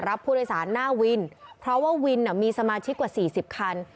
รับผู้โดยสารหน้าวินเพราะว่าวินมีสมาชิกกว่าสี่สิบคัน